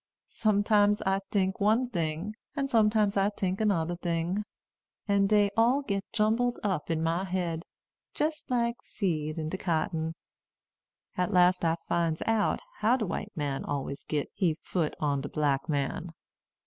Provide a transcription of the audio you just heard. Sometimes I tink one ting, and sometimes I tink anoder ting; and dey all git jumbled up in my head, jest like seed in de cotton. At last I finds out how de white man always git he foot on de black man."